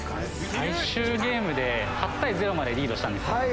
最終ゲームで８対０までリードしたんですよ。